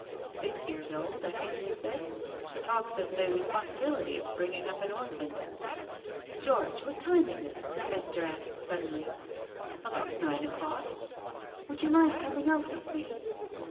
"Six years old, I think she said. She talks of the ' responsibility of bringing up an orphan.'" "George, what time is it? " Esther asked suddenly. "About nine o'clock." "Would you mind coming out with me?"